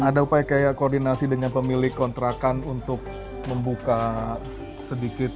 ada upaya kayak koordinasi dengan pemilik kontrakan untuk membuka sedikit